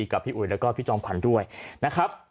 ครับ